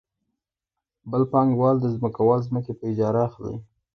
بل پانګوال د ځمکوال ځمکې په اجاره اخلي